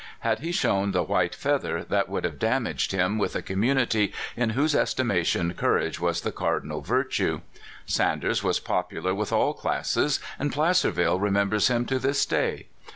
Had he shown the white feather, that would have damaged him with a community in whose estimation courage was the cardinal virtue. San ders was popular with all classes, and Placerville remembers him to this day.